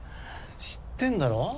知ってんだろ？